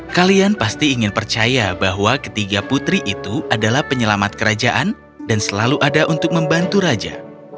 kalian pasti ingin percaya bahwa ketiga putri itu adalah penyelamat kerajaan dan selalu ada untuk membantu raja